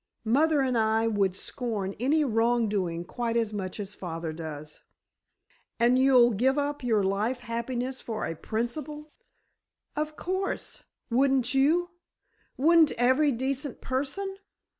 Mother and I would scorn any wrongdoing quite as much as father does." "And you'll give up your life happiness for a principle?" "Of course. Wouldn't you? Wouldn't every decent person?